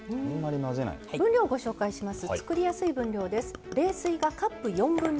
分量ご紹介します。